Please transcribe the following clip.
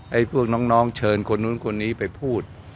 พวกน้องเชิญคนนู้นคนนี้ไปพูด